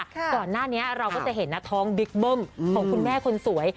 ก่อนหน้านี้เราก็จะเห็นนะท้องบิ๊กเบิ้มของคุณแม่คนสวย